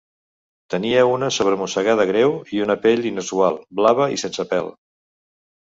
Tenia una sobremossegada greu i una pell inusual, blava i sense pèl.